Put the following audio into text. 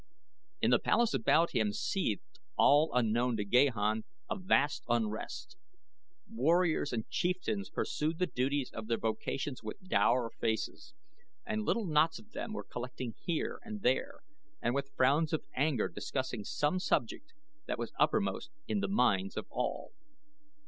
In the palace about him seethed, all unknown to Gahan, a vast unrest. Warriors and chieftains pursued the duties of their vocations with dour faces, and little knots of them were collecting here and there and with frowns of anger discussing some subject that was uppermost in the minds of all.